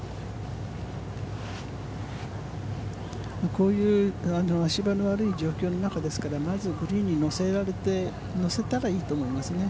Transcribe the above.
こういう足場の悪い状況の中ですからまずグリーンに乗せたらいいと思いますね。